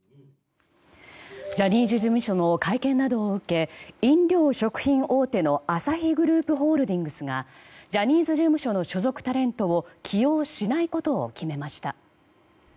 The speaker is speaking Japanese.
ジャニーズ事務所の会見などを受け飲料・食品大手のアサヒグループホールディングスがジャニーズ事務所の所属タレントを起用しないことを決めました。